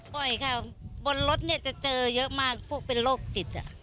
บ่อยค่ะบนรถเนี่ยจะเจอเยอะมากพวกเป็นโรคจิต